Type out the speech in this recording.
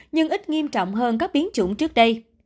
nhưng ít nghiêm trọng hơn các biến chủng trước đây